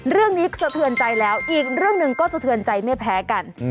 เรื่องนี้สะเทือนใจแล้วอีกเรื่องนึงก็สะเทือนใจไม่แพ้กัน